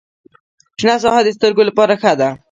شنه ساحه د سترګو لپاره ښه ده.